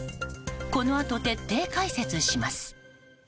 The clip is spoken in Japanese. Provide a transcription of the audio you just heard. このあと徹底解説します。